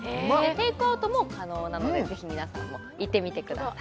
テイクアウトも可能なので、ぜひ皆さんも行ってみてください。